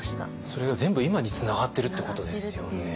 それが全部今につながってるっていうことですよね。